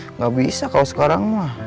nggak bisa kalau sekarang mah